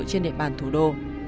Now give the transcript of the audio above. trên địa bàn thủ đô